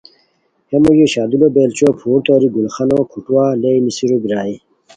ہے موژی شاہ دولو بیلچو پھورتوری گل خانو کوٹھووا لیئے نیسیرو بیرائے